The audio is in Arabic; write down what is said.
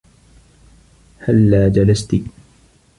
هلاّ جلستِ؟